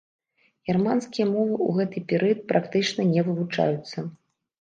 Германскія мовы ў гэты перыяд практычна не вывучаюцца.